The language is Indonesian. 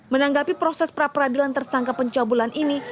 menanggapi proses praperadilan tersangka pencabulan ini